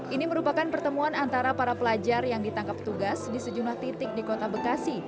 ini merupakan pertemuan antara para pelajar yang ditangkap tugas di sejumlah titik di kota bekasi